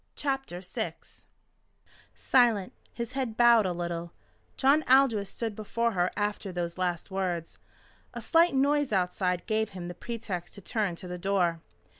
CHAPTER VI Silent, his head bowed a little, John Aldous stood before her after those last words. A slight noise outside gave him the pretext to turn to the door.